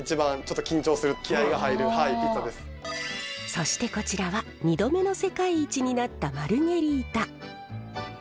そしてこちらは２度目の世界一になったマルゲリータ。